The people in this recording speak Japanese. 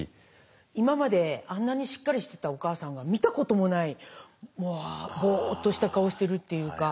今まであんなにしっかりしてたお母さんが見たこともないぼっとした顔してるっていうか。